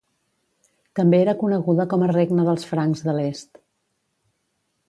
També era coneguda com a regne dels francs de l'est.